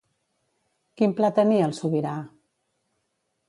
Quin pla tenia el sobirà?